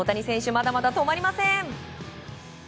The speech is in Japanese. まだまだ止まりません！